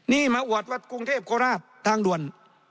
นี่มาอวดวัดกรุงเทพโคราชทางด่วน